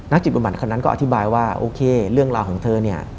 จิตบำบัดคนนั้นก็อธิบายว่าโอเคเรื่องราวของเธอเนี่ย